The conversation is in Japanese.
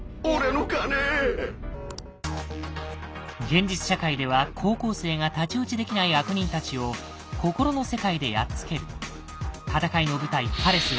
現実社会では高校生が太刀打ちできない悪人たちを心の世界でやっつける。